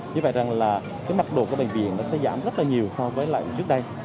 như vậy mặc đồ của bệnh viện sẽ giảm rất nhiều so với trước đây